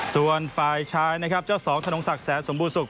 ส่วนไฟล์ชายเจ้าสองทานงศักดิ์แสนสมบูรสุก